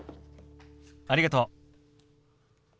ありがとう。